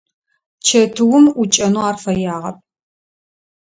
Чэтыум ӏукӏэнэу ар фэягъэп.